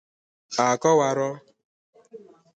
a kọwaruo.